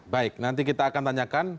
baik nanti kita akan tanyakan